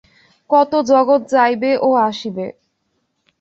কত জগৎ যাইবে ও আসিবে।